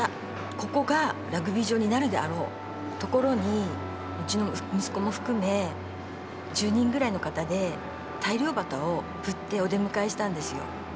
ここがラグビー場になるであろうところにうちの息子も含め１０人ぐらいの方で大漁旗を振ってお出迎えしたんですよ。